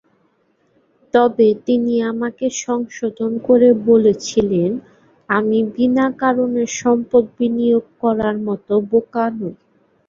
তবে তিনি আমাকে সংশোধন করে বলেছিলেন, 'আমি বিনা কারণে সম্পদ বিনিয়োগ করার মত বোকা নই"।"